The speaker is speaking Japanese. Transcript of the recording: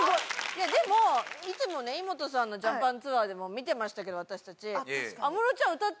でもいつもねイモトさんの「ジャパンツアー」でも見てましたけど私たち。